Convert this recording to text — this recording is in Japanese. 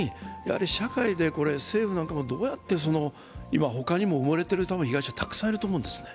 政府なんかもどうやって今、他にも埋もれている被害者たくさんいると思うんですね